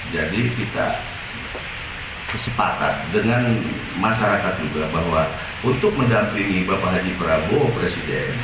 jadi kita kesepakat dengan masyarakat juga bahwa untuk mendampingi bapak haji prabowo presiden